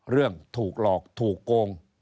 เรื่องถูกหลอกถูกโกง